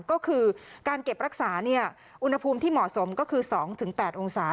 ก็คือการเก็บรักษาอุณหภูมิที่เหมาะสมก็คือ๒๘องศา